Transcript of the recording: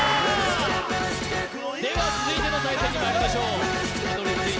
では続いての対戦にまいりましょう。